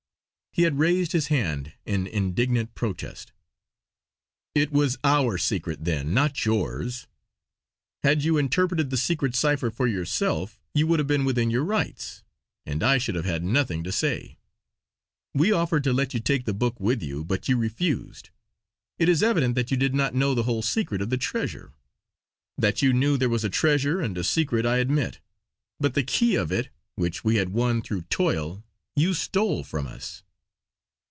He had raised his hand in indignant protest. "It was our secret then, not yours. Had you interpreted the secret cipher for yourself, you would have been within your rights; and I should have had nothing to say. We offered to let you take the book with you; but you refused. It is evident that you did not know the whole secret of the treasure. That you knew there was a treasure and a secret I admit; but the key of it, which we had won through toil, you stole from us!"